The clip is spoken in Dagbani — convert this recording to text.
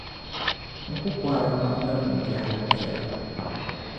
N ku kɔhiri kpam ka m biɛhi lan piɛla.